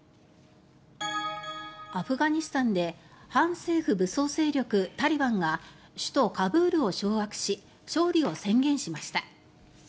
アフガニスタンで反政府武装勢力タリバンが首都カブールを掌握し勝利を宣言しました。